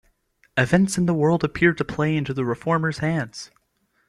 Events in the world appeared to play into the reformers' hands.